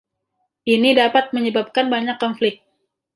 Ini dapat menyebabkan banyak konflik.